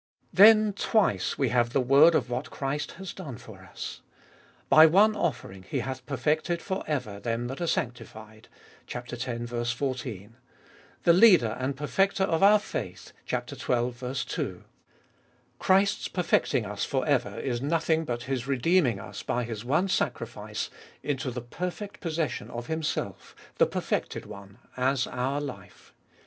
Then twice we have the word of what Christ has done for us. By one offering He hath perfected for ever them that are sanctified (x. 14); the Leader and Perfecter of our faith (xii. 2). Christ's perfecting us for ever is nothing but His redeeming us by His one sacrifice into the perfect possession of Himself, Cbe Ibolfest of BU 139 the perfected One, as our life.